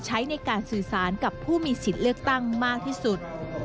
ใช้ในการสื่อสารกับผู้มีสิทธิ์เลือกตั้งมากที่สุด